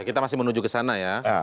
kita masih menuju kesana ya